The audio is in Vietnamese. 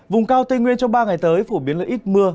vùng cao tây nguyên trong ba ngày tới phổ biến là ít mưa